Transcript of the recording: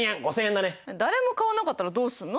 誰も買わなかったらどうすんの？